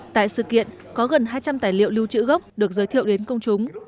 tại sự kiện có gần hai trăm linh tài liệu lưu trữ gốc được giới thiệu đến công chúng